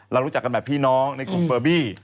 เรารู้จักกันแบบพี่น้องในกลุ่มเฟอร์บี้